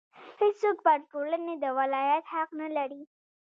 هېڅوک پر ټولنې د ولایت حق نه لري.